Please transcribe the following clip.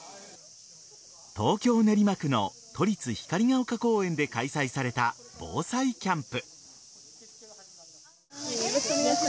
東京・練馬区の都立光が丘公園で開催された防災キャンプ。